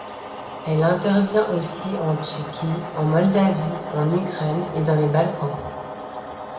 Elle intervient aussi en Tchéquie, en Moldavie, en Ukraine et dans les Balkans.